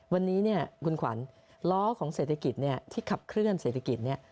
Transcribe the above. วันนี้คุณขวัญล้อของเศรษฐกิจที่ขับเคลื่อนเศรษฐกิจ